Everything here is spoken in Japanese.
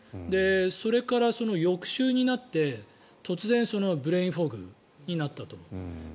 それから翌週になって突然ブレインフォグになったと。